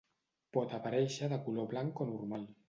Pot aparèixer de color blanc o normal.